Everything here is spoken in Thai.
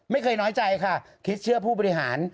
ไม่เคยน้อยใจค่ะคริสเชื่อผู้บริหาร